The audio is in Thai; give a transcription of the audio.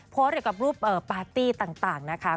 เกี่ยวกับรูปปาร์ตี้ต่างนะคะ